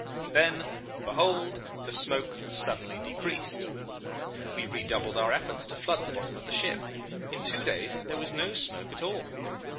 "Then behold, the smoke suddenly decreased. We re doubled our efforts to flood the bottom of the ship. In two days there was no smoke at all.